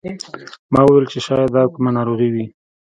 ما وویل چې شاید دا کومه ناروغي وي.